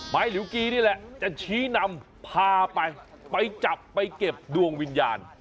หลิวกีนี่แหละจะชี้นำพาไปไปจับไปเก็บดวงวิญญาณ